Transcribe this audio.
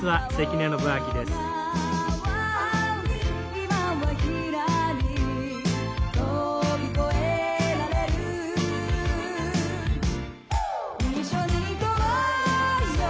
「今はひらり」「飛び越えられる」「一緒に行こうよ」